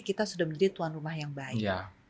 kita sudah menjadi tuan rumah yang baik